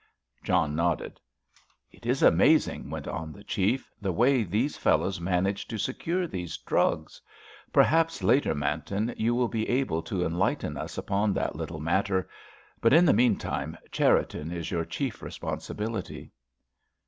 John nodded. "It is amazing," went on the chief, "the way these fellows manage to secure these drugs. Perhaps, later, Manton, you will be able to enlighten us upon that little matter; but in the meantime Cherriton is your chief responsibility."